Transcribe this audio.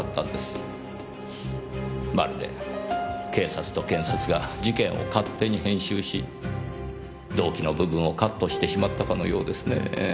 まるで警察と検察が事件を勝手に編集し動機の部分をカットしてしまったかのようですねぇ。